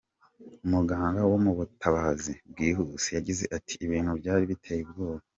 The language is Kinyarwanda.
Umuganga wo mu butabazi bwihuse yagize ati “ Ibintu byari biteye ubwoba.